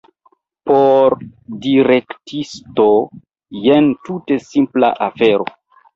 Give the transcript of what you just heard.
Por direktisto jen tute simpla afero.